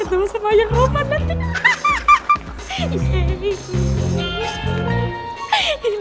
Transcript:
ketemu semuanya roman